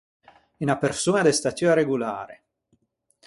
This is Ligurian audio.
Unna persoña de statua regolare.